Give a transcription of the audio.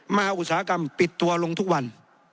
อุตสาหกรรมปิดตัวลงทุกวัน